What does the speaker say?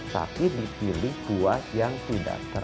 tapi dipilih buah yang tidak terkandung